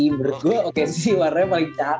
menurut gue okc warnanya paling cakep